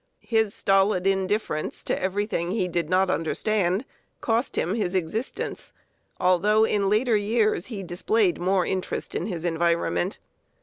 His stolid indifference to everything he did not understand cost him his existence, although in later years he displayed more interest in his environment.